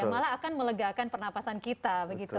malah akan melegakan pernapasan kita begitu